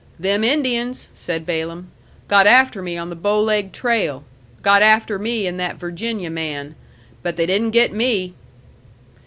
"Them Indians," said Balaam, "got after me on the Bow Leg trail. Got after me and that Virginia man. But they didn't get me."